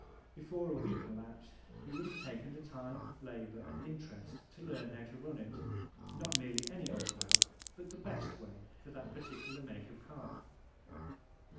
Before a week elapsed you would have taken the time, labor and interest to learn how to run it, not merely any old way, but the best way for that particular make of car.